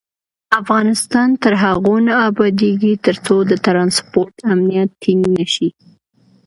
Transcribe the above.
افغانستان تر هغو نه ابادیږي، ترڅو د ترانسپورت امنیت ټینګ نشي.